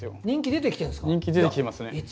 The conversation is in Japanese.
人気出てきてますね。